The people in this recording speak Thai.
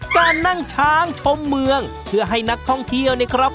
การนั่งช้างชมเมืองเพื่อให้นักท่องเที่ยวเนี่ยครับ